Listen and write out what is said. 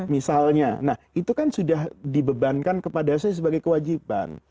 misalnya nah itu kan sudah dibebankan kepada saya sebagai kewajiban